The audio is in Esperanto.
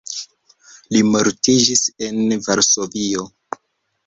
Li mortiĝis en Varsovio.